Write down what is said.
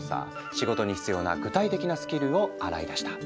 仕事に必要な具体的なスキルを洗い出した。